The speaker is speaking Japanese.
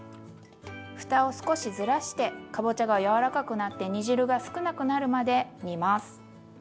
ふたを少しずらしてかぼちゃが柔らかくなって煮汁が少なくなるまで煮ます。